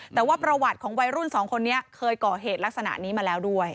แต่ว่าประวัติของวัยรุ่นสองคนนี้เคยก่อเหตุลักษณะนี้มาแล้วด้วย